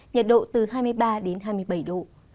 nhiệt độ từ hai mươi ba đến hai mươi bảy độ